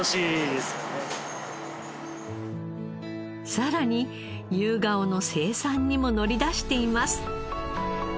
さらにユウガオの生産にも乗り出しています。